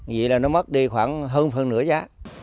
vậy là nó mất đi khoảng hơn nửa giá